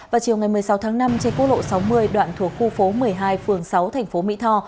vào chiều ngày một mươi sáu tháng năm trên quốc lộ sáu mươi đoạn thuộc khu phố một mươi hai phường sáu thành phố mỹ tho